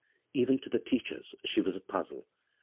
Even to the tearheis she was a puzzle.